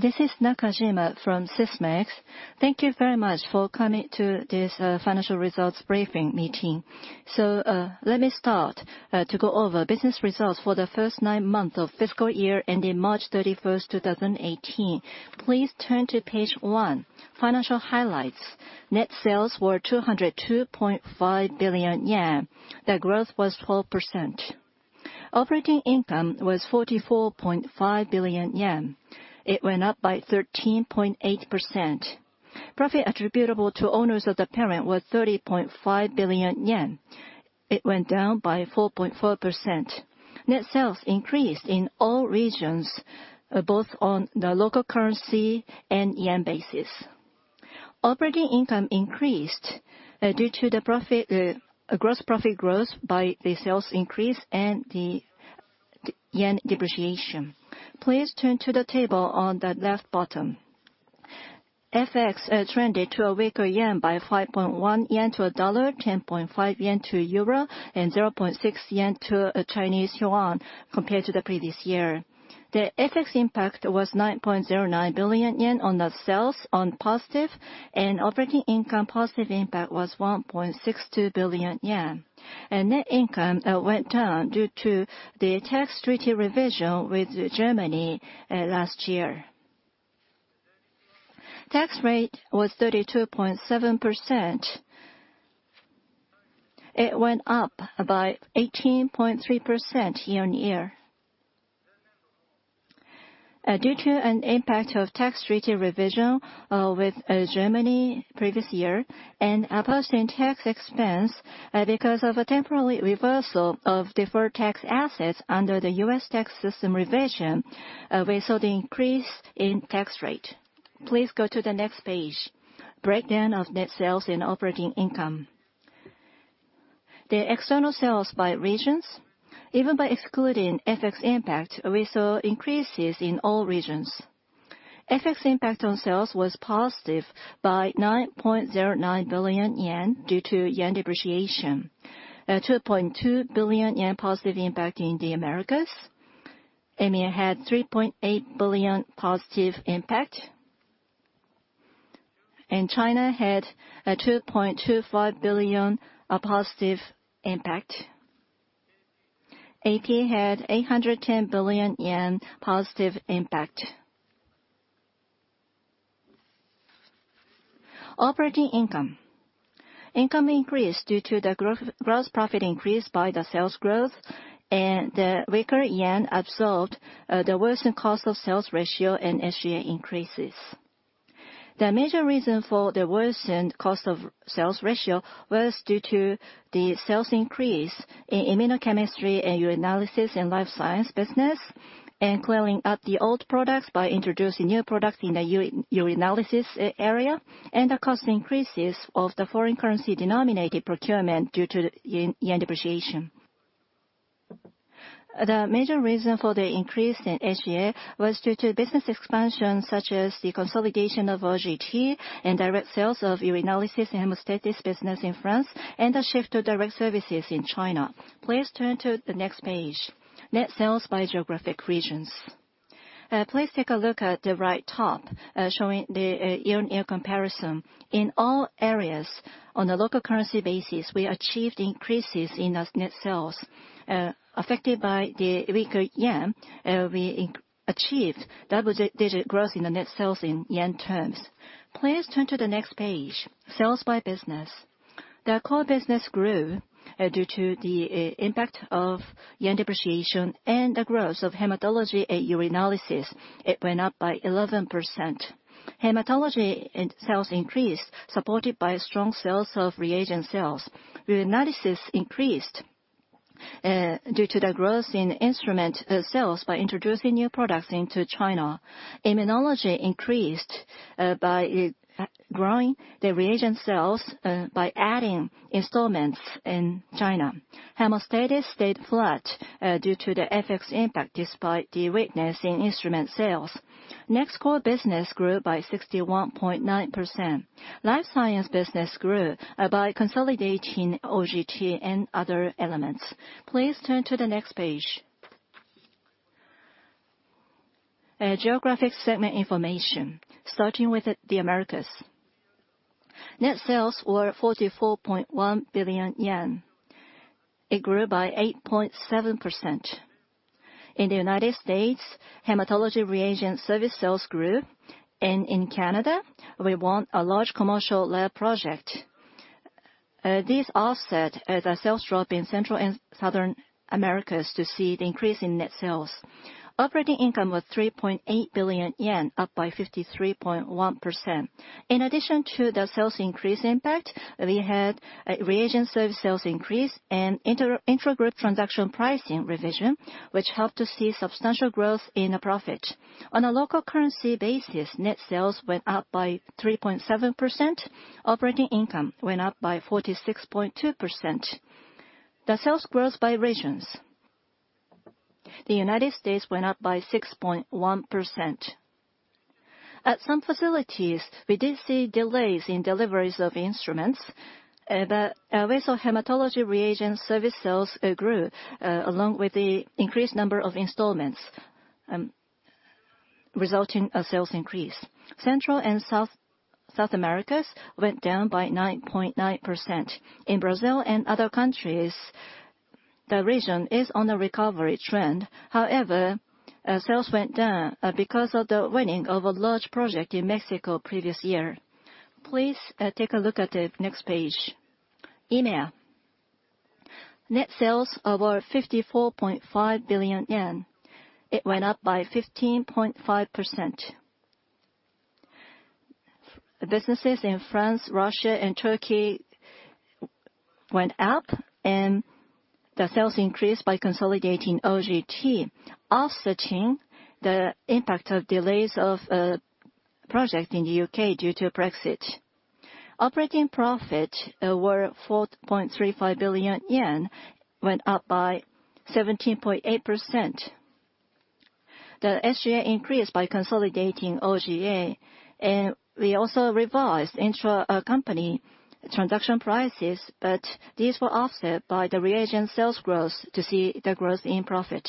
This is Nakajima from Sysmex. Thank you very much for coming to this financial results briefing meeting. Let me start to go over business results for the first nine months of fiscal year ending March 31st, 2018. Please turn to page one, financial highlights. Net sales were 202.5 billion yen. The growth was 12%. Operating income was 44.5 billion yen. It went up by 13.8%. Profit attributable to owners of the parent was 30.5 billion yen. It went down by 4.4%. Net sales increased in all regions, both on the local currency and yen basis. Operating income increased due to the gross profit growth by the sales increase and the yen depreciation. Please turn to the table on the left bottom. FX trended to a weaker yen by 5.1 yen to a dollar, 10.5 yen to a euro, and 0.6 yen to a Chinese yuan compared to the previous year. The FX impact was 9.09 billion yen on the sales on positive and operating income positive impact was 1.62 billion yen. Net income went down due to the tax treaty revision with Germany last year. Tax rate was 32.7%. It went up by 18.3% year-over-year. Due to an impact of tax treaty revision with Germany previous year and a post-tax expense because of a temporary reversal of deferred tax assets under the U.S. tax system revision, we saw the increase in tax rate. Please go to the next page, breakdown of net sales and operating income. The external sales by regions, even by excluding FX impact, we saw increases in all regions. FX impact on sales was positive by 9.09 billion yen due to yen depreciation. 2.2 billion yen positive impact in the Americas. EMEA had 3.8 billion positive impact. China had a 2.25 billion positive impact. AP had 810 million yen positive impact. Operating income. Income increased due to the gross profit increase by the sales growth and the weaker yen absorbed the worsened cost of sales ratio and SGA increases. The major reason for the worsened cost of sales ratio was due to the sales increase in immunochemistry and urinalysis in life science business, and clearing up the old products by introducing new products in the urinalysis area, and the cost increases of the foreign currency denominated procurement due to yen depreciation. The major reason for the increase in SGA was due to business expansion, such as the consolidation of OGT and direct sales of urinalysis and hemostasis business in France, and the shift to direct services in China. Please turn to the next page. Net sales by geographic regions. Please take a look at the right top, showing the year-over-year comparison. In all areas, on a local currency basis, we achieved increases in those net sales. Affected by the weaker yen, we achieved double digit growth in the net sales in yen terms. Please turn to the next page, sales by business. The core business grew due to the impact of yen depreciation and the growth of hematology and urinalysis. It went up by 11%. Hematology sales increased, supported by strong sales of reagent sales. Urinalysis increased due to the growth in instrument sales by introducing new products into China. Immunology increased by growing the reagent sales by adding installments in China. Hemostasis stayed flat due to the FX impact despite the weakness in instrument sales. Core business grew by 61.9%. Life science business grew by consolidating OGT and other elements. Please turn to the next page. Geographic segment information, starting with the Americas. Net sales were 44.1 billion yen. It grew by 8.7%. In the U.S., hematology reagent service sales grew, and in Canada, we won a large commercial lab project. This offset the sales drop in Central and Southern Americas to see the increase in net sales. Operating income was 3.8 billion yen, up by 53.1%. In addition to the sales increase impact, we had reagent service sales increase and intragroup transaction pricing revision, which helped to see substantial growth in the profit. On a local currency basis, net sales went up by 3.7%. Operating income went up by 46.2%. Sales growth by regions. U.S. went up by 6.1%. At some facilities, we did see delays in deliveries of instruments, but our way of hematology reagent service sales grew along with the increased number of installments, resulting a sales increase. Central and South Americas went down by 9.9%. In Brazil and other countries, the region is on a recovery trend. However, sales went down because of the winning of a large project in Mexico previous year. Please take a look at the next page. EMEA. Net sales were 54.5 billion yen. It went up by 15.5%. Businesses in France, Russia, and Turkey went up, and the sales increased by consolidating OGT, offsetting the impact of delays of a project in the U.K. due to Brexit. Operating profit was 4.35 billion yen, went up by 17.8%. SGA increased by consolidating OGT, and we also revised intra-company transaction prices, but these were offset by the reagent sales growth to see the growth in profit.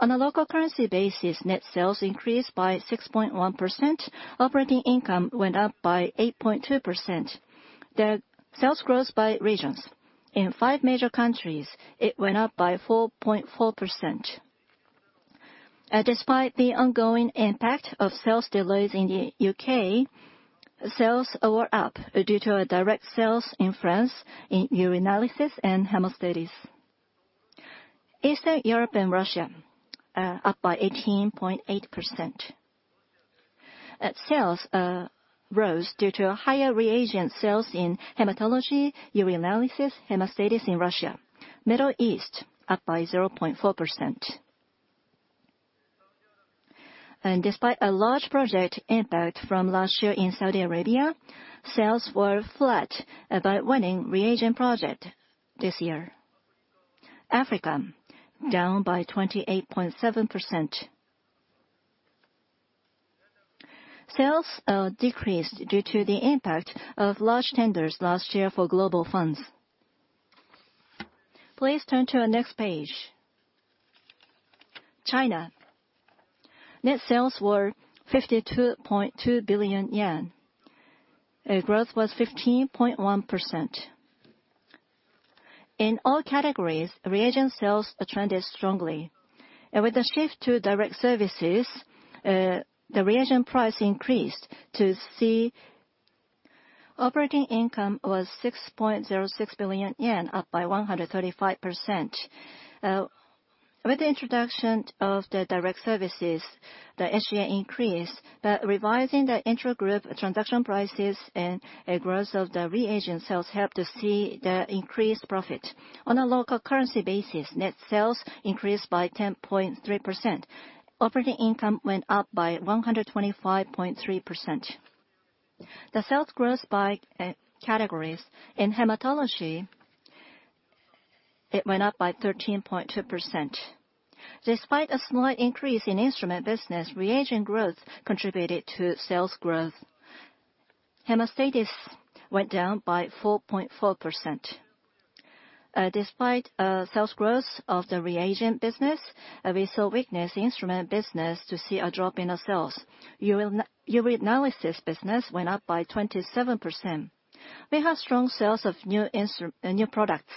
On a local currency basis, net sales increased by 6.1%. Operating income went up by 8.2%. Sales growth by regions. In five major countries, it went up by 4.4%. Despite the ongoing impact of sales delays in the U.K., sales were up due to our direct sales in France in urinalysis and hemostasis. Eastern Europe and Russia, up by 18.8%. Sales rose due to higher reagent sales in hematology, urinalysis, hemostasis in Russia. Middle East, up by 0.4%. Despite a large project impact from last year in Saudi Arabia, sales were flat by winning reagent project this year. Africa, down by 28.7%. Sales decreased due to the impact of large tenders last year for Global Fund. Please turn to the next page. China. Net sales were 52.2 billion yen. Growth was 15.1%. In all categories, reagent sales trended strongly. With the shift to direct services, the reagent price increased to see operating income was 6.06 billion yen, up by 135%. With the introduction of the direct services, the SGA increased, but revising the intra-group transaction prices and growth of the reagent sales helped to see the increased profit. On a local currency basis, net sales increased by 10.3%. Operating income went up by 125.3%. Sales growth by categories. In hematology, it went up by 13.2%. Despite a slight increase in instrument business, reagent growth contributed to sales growth. Hemostasis went down by 4.4%. Despite sales growth of the reagent business, we saw weakness instrument business to see a drop in our sales. Urinalysis business went up by 27%. We have strong sales of new products,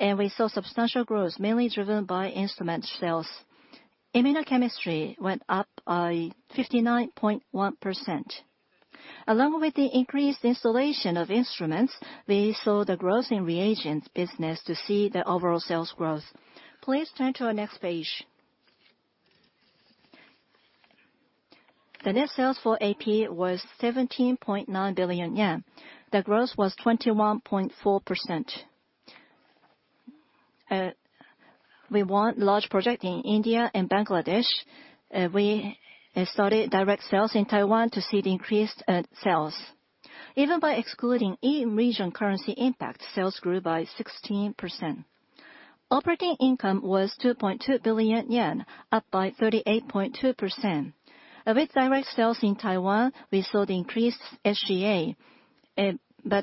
we saw substantial growth, mainly driven by instrument sales. Immunochemistry went up by 59.1%. Along with the increased installation of instruments, we saw the growth in reagents business to see the overall sales growth. Please turn to the next page. The net sales for AP was 17.9 billion yen. The growth was 21.4%. We won large project in India and Bangladesh. We started direct sales in Taiwan to see the increased sales. Even by excluding each region currency impact, sales grew by 16%. Operating income was 2.2 billion yen, up by 38.2%. With direct sales in Taiwan, we saw the increased SGA,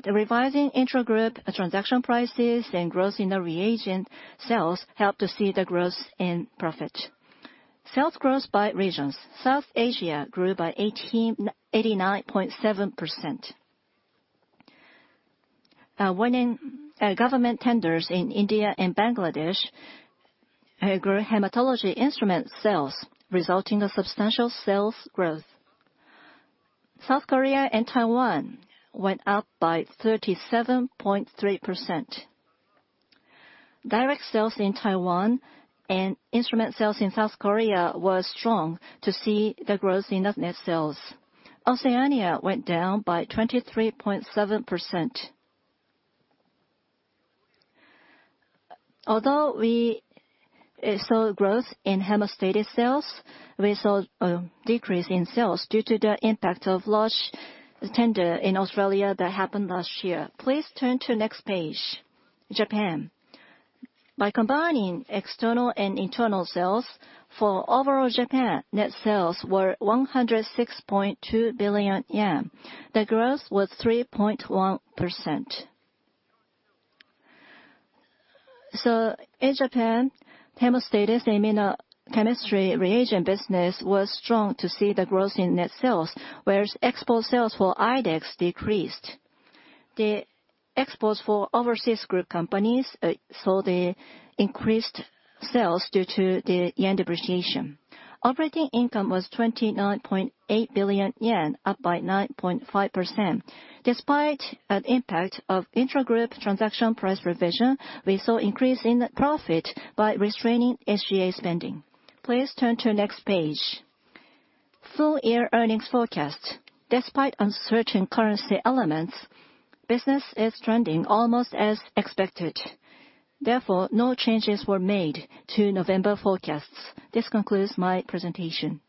revising intra-group transaction prices and growth in the reagent sales helped to see the growth in profit. Sales growth by regions. South Asia grew by 89.7%. Winning government tenders in India and Bangladesh grew hematology instrument sales, resulting of substantial sales growth. South Korea and Taiwan went up by 37.3%. Direct sales in Taiwan and instrument sales in South Korea were strong to see the growth in the net sales. Oceania went down by 23.7%. Although we saw growth in hemostasis sales, we saw a decrease in sales due to the impact of large tender in Australia that happened last year. Please turn to the next page. Japan. By combining external and internal sales for overall Japan, net sales were 106.2 billion yen. The growth was 3.1%. In Japan, hemostasis immunochemistry reagent business was strong to see the growth in net sales, whereas export sales for IDEXX decreased. The exports for overseas group companies, they increased sales due to the yen depreciation. Operating income was 29.8 billion yen, up by 9.5%. Despite an impact of intra-group transaction price revision, we saw increase in net profit by restraining SGA spending. Please turn to the next page. Full year earnings forecast. Despite uncertain currency elements, business is trending almost as expected. Therefore, no changes were made to November forecasts. This concludes my presentation.